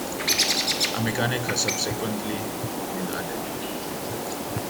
A mechanic has subsequently been added.